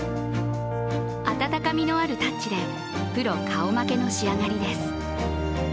温かみのあるタッチでプロ顔負けの仕上がりです。